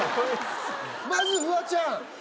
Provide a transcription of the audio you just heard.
まずフワちゃん。